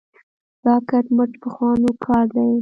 دا کټ مټ پخوانو کار دی.